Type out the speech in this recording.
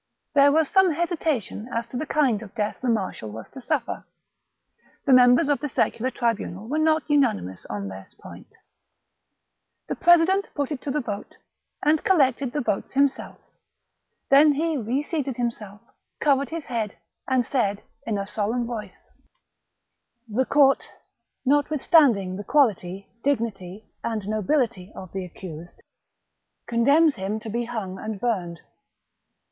There was some hesitation as to the kind of death the marshal was to suffer. The members of the secular tribunal were not unanimous on this point. The pre 232 THE BOOK OF WERE WOLVES. sident put it to the vote, and collected the votes him self; then he reseated himself, covered his head, and said in a solemn voice :—" The court, notwithstanding the quality, dignity, and nobility of the accused, condemns him to be hung and burned.